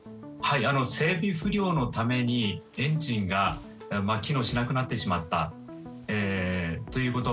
整備不良のためにエンジンが機能しなくなってしまったということ。